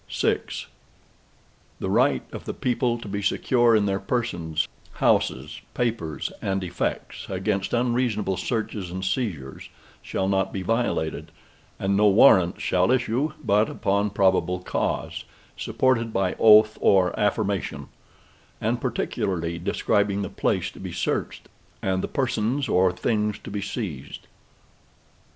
IV The right of the people to be secure in their persons, houses, papers, and effects, against unreasonable searches and seizures, shall not be violated, and no Warrants shall issue, but upon probable cause, supported by oath or affirmation, and particularly describing the place to be searched, and the persons or things to be seized.